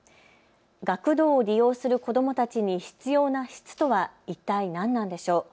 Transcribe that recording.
学童を利用する子どもたちに必要な質とはいったい何なんでしょう。